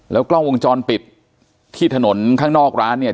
กล้องวงจรปิดที่ถนนข้างนอกร้านเนี่ย